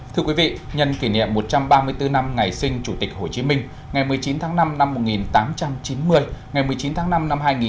thưa quý vị nhân kỷ niệm một trăm ba mươi bốn năm ngày sinh chủ tịch hồ chí minh ngày một mươi chín tháng năm năm một nghìn tám trăm chín mươi ngày một mươi chín tháng năm năm hai nghìn hai mươi bốn